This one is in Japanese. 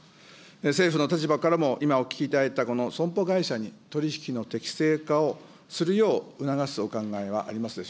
政府の立場からも、今お聞きいただいた、この損保会社に取り引きの適正化をするよう促すお考えはあります